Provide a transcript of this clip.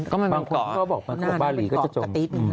ก็บอกบาลีก็จะจม